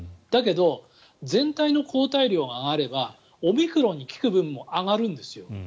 だけど、全体の抗体量が上がればオミクロンに効く量も上がるんです。